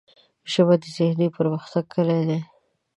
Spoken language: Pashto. ژبه د ذهني پرمختګ کلۍ ده